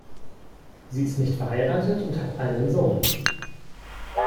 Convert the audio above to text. Sie ist nicht verheiratet und hat einen Sohn.